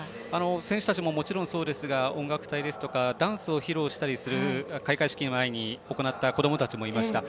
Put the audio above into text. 選手たちももちろんそうですが音楽隊ですとかダンスを披露したりする開会式の前に行った子どもたちもいました。